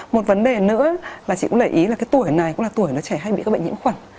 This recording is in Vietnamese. một vấn đề nữa là chị cũng để ý là cái tuổi này cũng là tuổi nó trẻ hay bị các bệnh nhiễm khuẩn